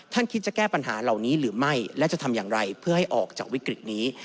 คิดจะแก้ปัญหาเหล่านี้หรือไม่และจะทำอย่างไรเพื่อให้ออกจากวิกฤตนี้